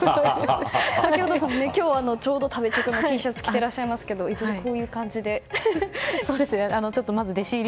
秋元さん、今日は食べチョクのＴシャツを着ていらっしゃいますがいつもこういう感じで？